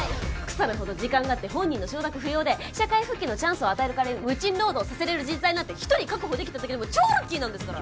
腐るほど時間があって本人の承諾不要で社会復帰のチャンスを与える代わりに無賃労働させられる人材なんて１人確保できただけでも超ラッキーなんですから。